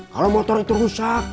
kalau motor itu rusak